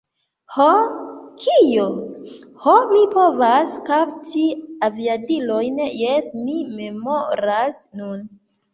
Ho, kio? Ho, mi povas kapti aviadilojn, jes, mi memoras nun.